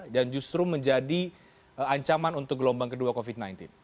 dan justru menjadi ancaman untuk gelombang kedua covid sembilan belas